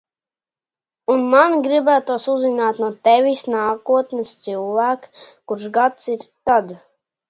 Un man gribētos uzzināt no tevis, nākotnes cilvēk, kurš gads ir tad.